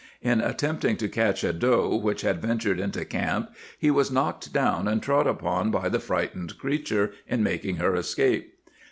In at tempting to catch a doe which had ventured into camp he was knocked down and trod upon by the frightened creature in making her escape.